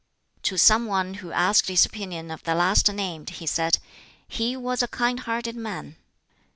To some one who asked his opinion of the last named, he said, "He was a kind hearted man."